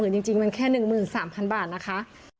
จริงมันแค่๑๓๐๐๐บาทนะคะ